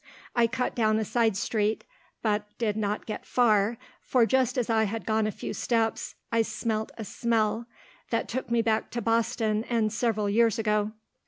I cut down a side street, but did not get far, for just as I had gone a few steps, I smelt a smell, that took me back to Boston, and several years ago.